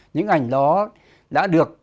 những ảnh đó đã được